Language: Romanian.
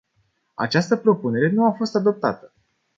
Această propunere nu a fost adoptată.